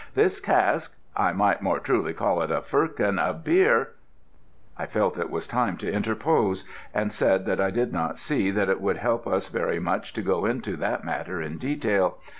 This cask I might more truly call it a firkin of beer " I felt it was time to interpose, and said that I did not see that it would help us very much to go into that matter in detail.